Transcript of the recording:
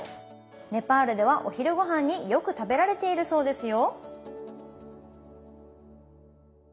ネパールではお昼ごはんによく食べられているそうですよ